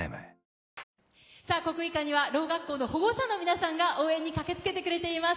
国技館には、ろう学校の保護者の皆さんが応援に駆けつけてくれています。